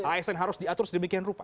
asn harus diatur sedemikian rupa